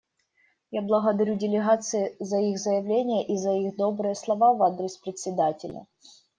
Я благодарю делегации за их заявления и за их добрые слова в адрес Председателя.